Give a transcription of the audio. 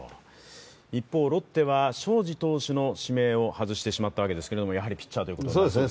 一方、ロッテは荘司投手の指名を外してしまったわけですけどやはりピッチャーということになるんですか？